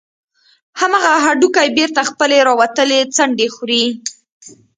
همغه هډوکى بېرته خپلې راوتلې څنډې خوري.